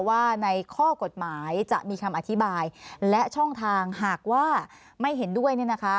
ว่าในข้อกฎหมายจะมีคำอธิบายและช่องทางหากว่าไม่เห็นด้วย